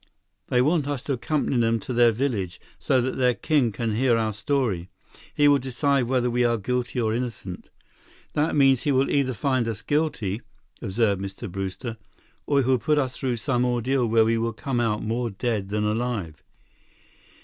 "They want us to accompany them to their village, so that their king can hear our story. He will decide whether we are guilty or innocent." "That means he will either find us guilty," observed Mr. Brewster, "or he'll put us through some ordeal where we will come out more dead than alive.